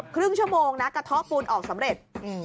ครึ่งชั่วโมงนะกระเทาะปูนออกสำเร็จ